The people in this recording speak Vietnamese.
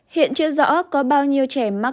hiện chưa rõ có bao nhiêu trẻ mắc